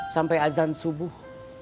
sampai azan subuh